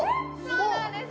そうなんです